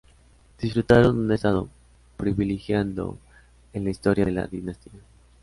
Disfrutaron un estado privilegiado en la historia de la dinastía.